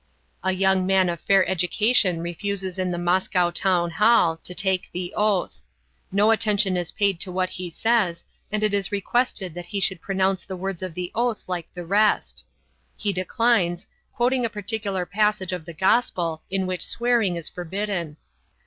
A young man of fair education refuses in the Moscow Townhall to take the oath. No attention is paid to what he says, and it is requested that he should pronounce the words of the oath like the rest. He declines, quoting a particular passage of the Gospel in which swearing is forbidden.